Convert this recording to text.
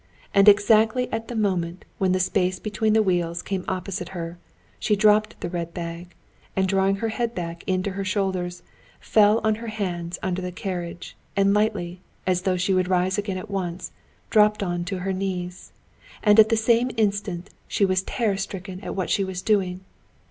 And exactly at the moment when the space between the wheels came opposite her, she dropped the red bag, and drawing her head back into her shoulders, fell on her hands under the carriage, and lightly, as though she would rise again at once, dropped on to her knees. And at the same instant she was terror stricken at what she was doing.